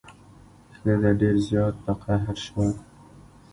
ښځه ډیر زیات په قهر شوه.